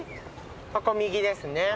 ここ右ですね。